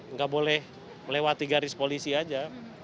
nggak boleh melewati garis polisi aja